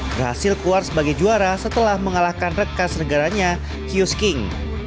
berhasil keluar sebagai juara setelah mengalahkan rekan sergaranya kius king